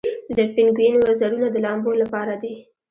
د پینګوین وزرونه د لامبو لپاره دي